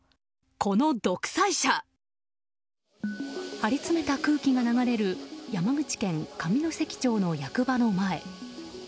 張り詰めた空気が流れる山口県上関町の役場の前。